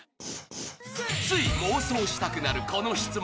［つい妄想したくなるこの質問］